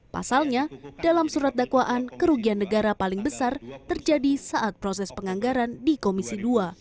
pasalnya dalam surat dakwaan kerugian negara paling besar terjadi saat proses penganggaran di komisi dua